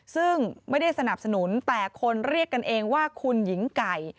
ซึ่งไม่ได้สนับสนุนแต่คนเรียกกันเองว่าคุณหญิงไก่